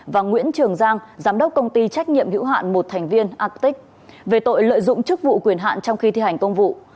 và nguyễn trường giang giám đốc công ty trách nhiệm hữu hạn một thành viên acic về tội lợi dụng chức vụ quyền hạn trong khi thi hành công vụ